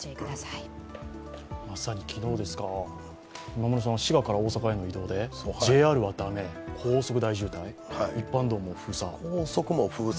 まさに昨日ですか、今村さんは滋賀から大阪への移動でＪＲはだめ、高速は大渋滞、一般道も封鎖？